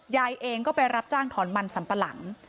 ยายเองก็ไปรับจ้างถอนมันสัมปะหลัง